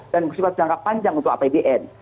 dan bersifat jangka panjang untuk apbn